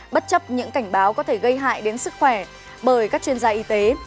bất chấp những cảnh báo có thể gây hại đến sức khỏe bởi các chuyên gia y tế